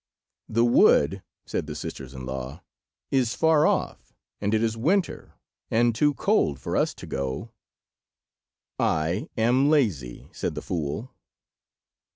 "The wood," said the sisters in law, "is far off, and it is winter, and too cold for us to go." "I am lazy," said the fool.